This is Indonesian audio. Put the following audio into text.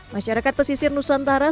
masyarakat pesisir nusantara